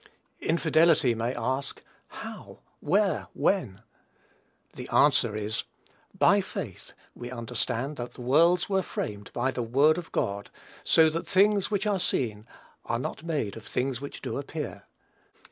Infidelity may ask, "How? where? when?" The answer is, "By faith we understand that the worlds were framed by the word of God, so that things which are seen were not made of things which do appear."